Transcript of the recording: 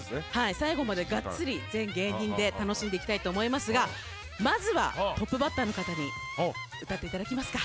最後までがっつり全芸人で楽しんでいきたいと思いますがまずはトップバッターの方に歌っていただきますか。